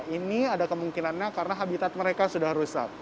ini ada kemungkinannya karena habitat mereka sudah rusak